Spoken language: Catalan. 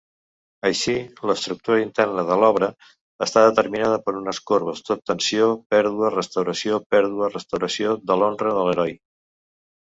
Així, l'estructura interna de l'obra està determinada per unes corbes d'obtenció–pèrdua–restauració–pèrdua–restauració de l'honra de l'heroi.